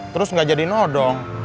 terus gak jadi nodong